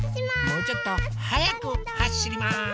もうちょっとはやくはしります。